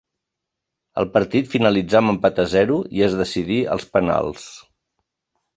El partit finalitzà amb empat a zero i es decidí als penals.